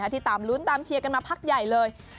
ที่ตามลุ้นตามเชียร์กันมาพักใหญ่เลย